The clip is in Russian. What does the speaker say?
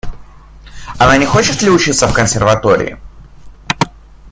Она не хочет ли учиться в консерватории?